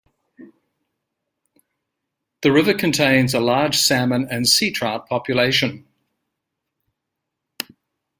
The river contains a large Salmon and Sea trout population.